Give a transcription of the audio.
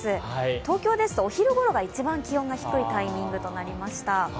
東京ですとお昼ごろが一番気温が低いタイミングとなりました。